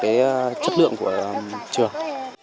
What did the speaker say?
cái chất lượng của trường